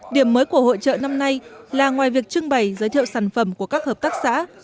điểm mới của hội trợ năm nay là ngoài việc trưng bày giới thiệu sản phẩm của các hợp tác xã